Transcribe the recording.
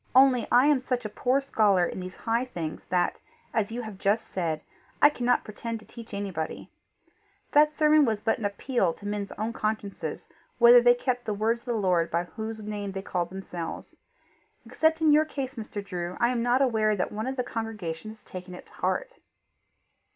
Only I am such a poor scholar in these high things that, as you have just said, I cannot pretend to teach anybody. That sermon was but an appeal to men's own consciences whether they kept the words of the Lord by whose name they called themselves. Except in your case, Mr. Drew, I am not aware that one of the congregation has taken it to heart."